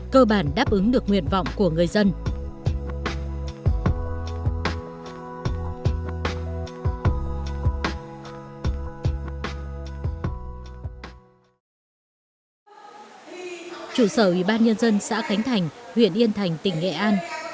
chủ sở ủy ban nhân dân xã khánh thành huyện yên thành tỉnh nghệ an